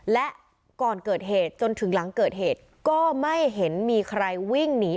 และก่อนเกิดเหตุจนถึงหลังเกิดเหตุก็ไม่เห็นมีใครวิ่งหนี